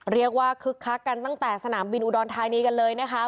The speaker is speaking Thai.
คึกคักกันตั้งแต่สนามบินอุดรธานีกันเลยนะคะ